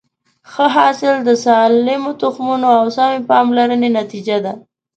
ښه حاصل د سالمو تخمونو او سمې پاملرنې نتیجه ده.